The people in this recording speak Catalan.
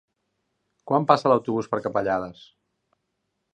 Quan passa l'autobús per Capellades?